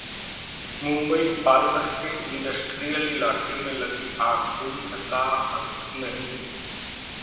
मुंबई: पालघर के इंडस्ट्रियल इलाके में लगी आग, कोई हताहत नहीं